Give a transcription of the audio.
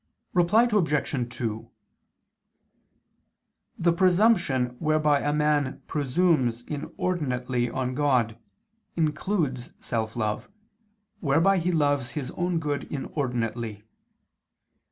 Reply Obj. 2: The presumption whereby a man presumes inordinately on God, includes self love, whereby he loves his own good inordinately.